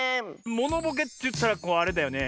モノボケといったらあれだよね。